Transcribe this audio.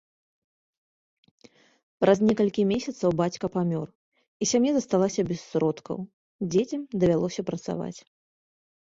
Праз некалькі месяцаў бацька памёр, і сям'я засталася без сродкаў, дзецям давялося працаваць.